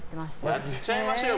やっちゃいましょうよ。